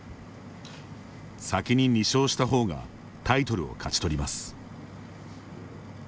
先に２勝した方がタイトルを勝ち取ります。